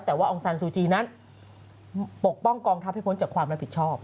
แต่ว่าองซานซูจีนั้นปกป้องกองทัพให้พ้นจากความรับผิดชอบ